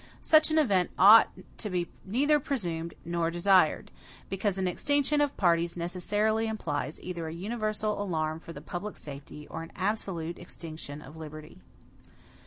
Such an event ought to be neither presumed nor desired; because an extinction of parties necessarily implies either a universal alarm for the public safety, or an absolute extinction of liberty.